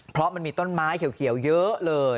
เพราะมันมีต้นไม้เขียวเยอะเลย